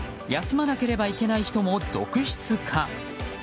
休まなければいけない人も続出か。